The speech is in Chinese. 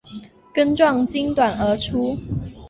根状茎短而粗。